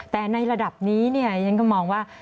แต่ในระดับนี้ฉันก็มองว่า